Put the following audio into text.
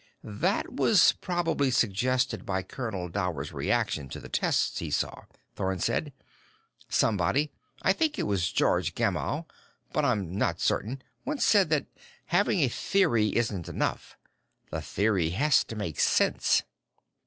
"That was probably suggested by Colonel Dower's reaction to the tests he saw," Thorn said. "Somebody I think it was George Gamow, but I'm not certain once said that just having a theory isn't enough; the theory has to make sense.